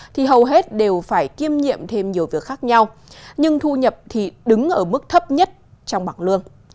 thì hầu hết đều phải kiêm nhiệm thêm nhiều việc khác nhau nhưng thu nhập thì đứng ở mức thấp nhất trong bảng lương